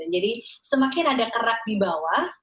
jadi semakin ada kerak di bawah